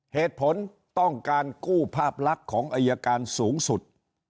เหตุผลต้องการกู้ภาพลักษณ์ของอายการสูงสุด